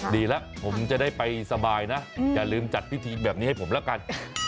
ดีแล้วผมจะได้ไปสบายนะอย่าลืมจัดพิธีแบบนี้ให้ผมละกัน